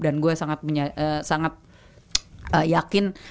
dan gue sangat yakin